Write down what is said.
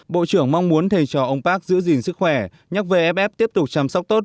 bộ trưởng mong muốn thầy trò ông park giữ gìn sức khỏe nhắc về ff tiếp tục chăm sóc tốt